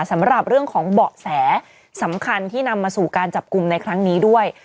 สำหรับเรื่องของเบาะแสสำคัญที่นำมาสู่การจับกลุ่มในครั้งนี้ด้วย